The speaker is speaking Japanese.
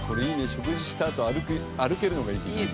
食事したあと歩けるのがいいね。